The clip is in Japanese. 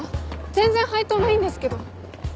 全然配当ないんですけど。